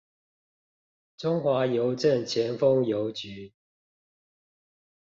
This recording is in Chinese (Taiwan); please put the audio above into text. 中華郵政前峰郵局